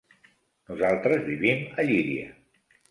Nosaltres vivim a Llíria.